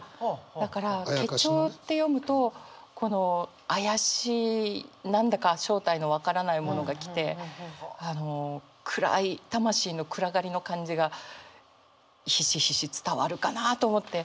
だから「けちょう」って読むとこの怪しい何だか正体の分からないものが来てあの暗い魂の暗がりの感じがひしひし伝わるかなあと思って。